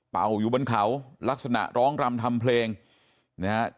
อยู่บนเขาลักษณะร้องรำทำเพลงนะฮะ